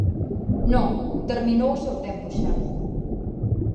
Non, terminou o seu tempo xa.